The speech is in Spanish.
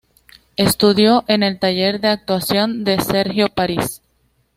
Estudió en el taller de actuación de Sergio Paris.